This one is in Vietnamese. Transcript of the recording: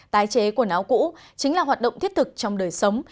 tái chế quần áo cũ chính là hoạt động thiết thực trong đời sống